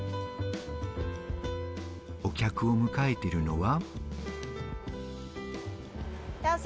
お客を迎えているのは。